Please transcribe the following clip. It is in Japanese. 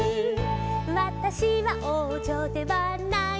「わたしはおうじょではないけれど」